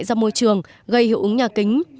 ra môi trường gây hiệu ứng nhà kính